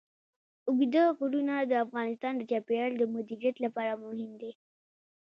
اوږده غرونه د افغانستان د چاپیریال د مدیریت لپاره مهم دي.